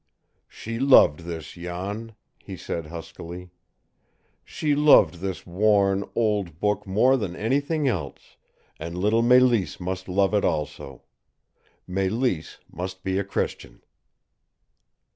"She loved this, Jan," he said huskily. "She loved this worn, old book more than anything else, and little Mélisse must love it also. Mélisse must be a Christian."